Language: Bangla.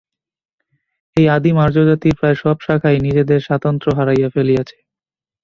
এই আদিম আর্যজাতির প্রায় সব শাখাই নিজেদের স্বাতন্ত্র্য হারাইয়া ফেলিয়াছে।